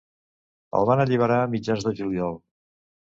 El van alliberar a mitjans de juliol.